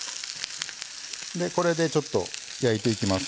これでちょっと焼いていきます。